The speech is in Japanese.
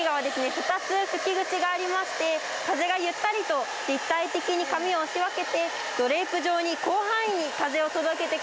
２つ吹き口がありまして風がゆったりと立体的に髪を押し分けてドレープ状に広範囲に風を届けてくれるんです。